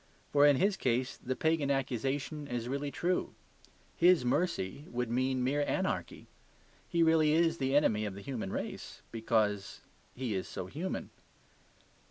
For in his case the pagan accusation is really true: his mercy would mean mere anarchy. He really is the enemy of the human race because he is so human.